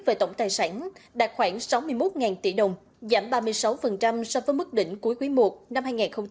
về tổng tài sản đạt khoảng sáu mươi một tỷ đồng giảm ba mươi sáu so với mức đỉnh cuối quý i năm hai nghìn hai mươi ba